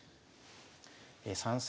３三